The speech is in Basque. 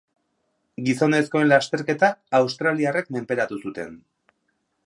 Gizonezkoen lasterketa australiarrek menperatu zuten.